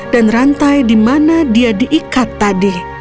dan rantai di mana dia diikat tadi